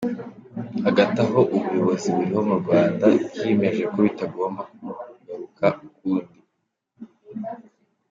Hagati aho ubuyobozi buriho mu Rwanda bwiyemeje ko bitagomba kugaruka ukundi.